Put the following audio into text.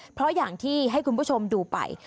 เพราะอย่างที่ให้คุณผู้ชมดูไป